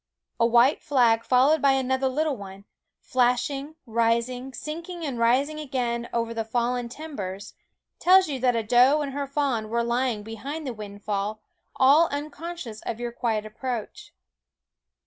A white flag followed by another little one, flashing, rising, sinking and rising again over the fallen timber, tells you that a doe and her fawn were lying behind the windfall, all unconscious of your quiet approach.